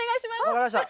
分かりました。